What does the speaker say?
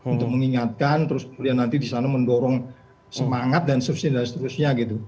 untuk mengingatkan terus kemudian nanti disana mendorong semangat dan seterusnya